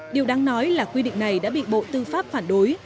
điều đáng nói là quy định này đã bị bộ tư pháp phản đối